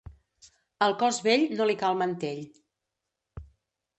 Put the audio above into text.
Al cos bell no li cal mantell.